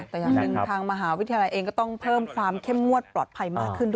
แต่อย่างหนึ่งทางมหาวิทยาลัยเองก็ต้องเพิ่มความเข้มงวดปลอดภัยมากขึ้นด้วย